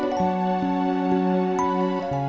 jangan lupa like share dan subscribe ya